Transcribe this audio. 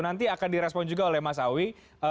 nanti akan direspon juga oleh mas awi